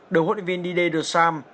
đầu hội viên didier deschamps